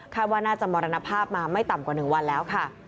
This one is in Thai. ว่าน่าจะมรณภาพมาไม่ต่ำกว่า๑วันแล้วค่ะ